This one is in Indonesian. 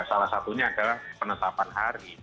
salah satunya adalah penetapan hari